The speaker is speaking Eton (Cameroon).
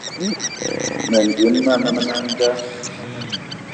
Mendim man a nda.